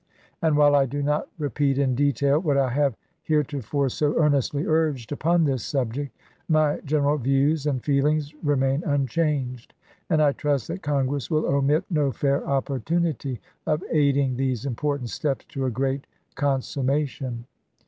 And while I do not repeat in detail what I have hereto fore so earnestly urged upon this subject, my gen eral views and feelings remain unchanged ; and I trust that Congress will omit no fair opportunity of aiding these important steps to a great consum Annual mation."